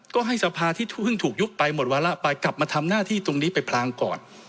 ก็ให้สภาที่เพิ่งถูกยุบไปหมดวาระไปกลับมาทำหน้าที่ตรงนี้ไปพลางก่อน